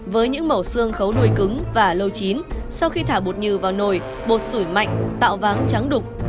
với những mẫu xương khấu nồi cứng và lâu chín sau khi thả bột nhừ vào nồi bột sủi mạnh tạo váng trắng đục